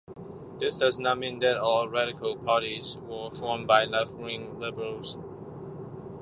This does not mean that all radical parties were formed by left-wing liberals.